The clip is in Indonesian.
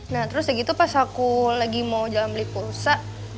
nah terus ya gitu pas aku lagi mau jalan beli pulsa